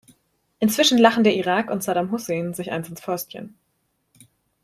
Inzwischen lachen der Irak und Saddam Hussein sich eins ins Fäustchen.